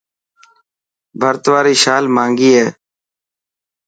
ڀرت واري شال مهانگي هي.